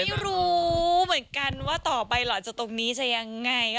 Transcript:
บ๊วยหนูไม่รู้เหมือนกันว่าต่อไปหรอตรงนี้จะยังไง